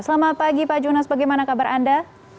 selamat pagi pak junas bagaimana kabar anda